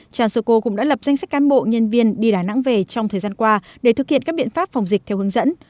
transoco cũng đã lập danh sách cán bộ nhân viên đi đà nẵng về trong thời gian qua để thực hiện các biện pháp phòng dịch theo hướng dẫn